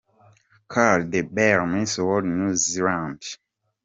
Karla de Beer Miss World New Zealand .